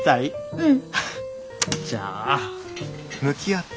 うん。